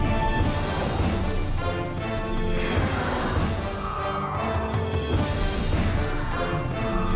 ไม่แน่ใจว่ามันจะมีตัวปรายได้ขั้นไปถึงอะไรหรือไม่